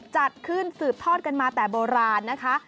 จัดขึ้นสืบทอดกันมาแต่โบราณนะคะ